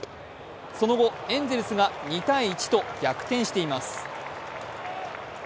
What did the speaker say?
その後、エンゼルスが２−１と逆転しています。